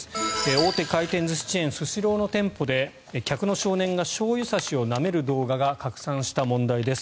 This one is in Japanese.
大手回転寿司チェーンスシローの店舗で客の少年がしょうゆ差しをなめる動画が拡散した問題です。